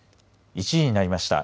１時になりました。